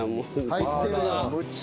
入ってるよ。